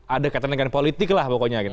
ada ketenangan politik lah pokoknya gitu